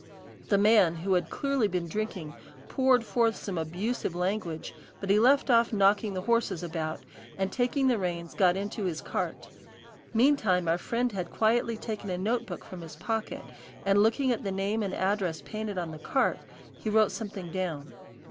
The man, who had clearly been drinking, poured forth some abusive language, but he left off knocking the horses about, and taking the reins, got into his cart; meantime our friend had quietly taken a notebook from his pocket, and looking at the name and address painted on the cart, he wrote something down.